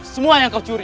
semua yang kau curi